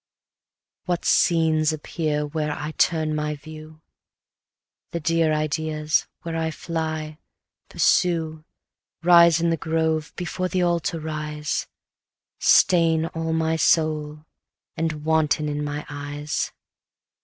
What scenes appear where'er I turn my view? The dear ideas, where I fly, pursue, Rise in the grove, before the altar rise, Stain all my soul, and wanton in my eyes.